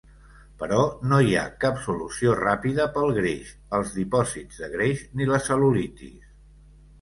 Però no hi ha cap solució ràpida pel greix, els dipòsits de greix ni la cel·lulitis.